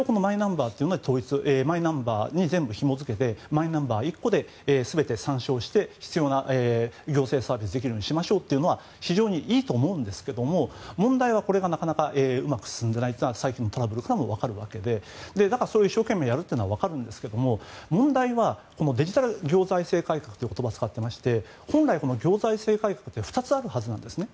それをマイナンバーに全部ひも付けてマイナンバー１個で全て参照して必要な行政サービスをできるようにしましょうというのは非常にいいと思うんですけども問題はこれがなかなかうまく進んでいないというのが最近のトラブルからも分かるわけでだからそれを一生懸命やるというのは分かるんですけども問題は、デジタル行財政改革という言葉を使っていて本来、行財政改革って２つあるはずなんですね。